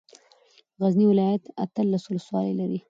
غزني ولايت اتلس ولسوالۍ لري.